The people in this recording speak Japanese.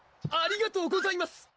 ありがとうございます！